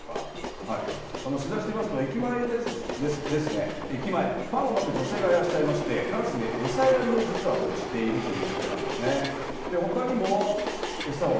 取材してみますと駅前ですね、パンを撒く女性がいらっしゃいまして、カラスに餌やりを実はしているということなんですね。